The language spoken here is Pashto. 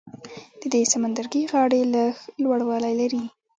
د دې سمندرګي غاړې لږ لوړوالی لري.